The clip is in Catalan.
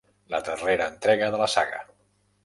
La darrera entrega de la saga.